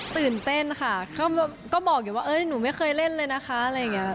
ตื่นเต้นค่ะก็บอกอยู่ว่าหนูไม่เคยเล่นเลยนะคะอะไรอย่างนี้